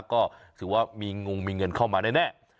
ก็ถือว่ามีงงมีเงินเข้ามาแน่